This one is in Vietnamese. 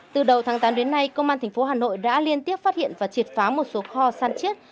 từ đầu tháng tám đến nay công an thành phố hà nội đã liên tiếp phát hiện và triệt phá một số kho săn chết